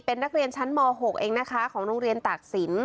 เป็นนักเรียนชั้นม๖เองนะคะของโรงเรียนตากศิลป